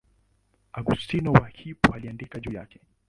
Augustino wa Hippo aliandika juu yake.